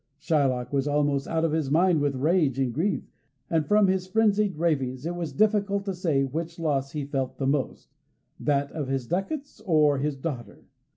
Shylock was almost out of his mind with rage and grief, and from his frenzied ravings it was difficult to say which loss he felt the most that of his ducats or his daughter.